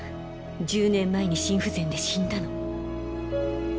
１０年前に心不全で死んだの。